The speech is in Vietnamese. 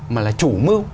mà là chủ mưu